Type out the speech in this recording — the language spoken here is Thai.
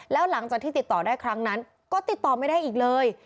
แล้วหลังจากที่ติดต่อได้ครั้งนั้นก็ติดต่อไม่ได้อีกเลย